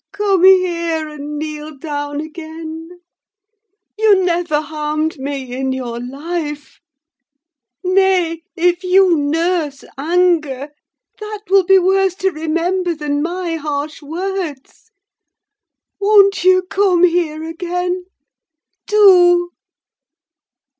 Come here and kneel down again! You never harmed me in your life. Nay, if you nurse anger, that will be worse to remember than my harsh words! Won't you come here again? Do!"